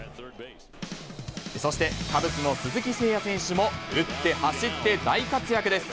そして、カブスの鈴木誠也選手も、打って、走って大活躍です。